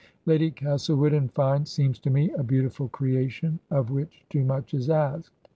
'" Lady Castlewood, in fine, seems to me a beautiful creation of which too much is asked.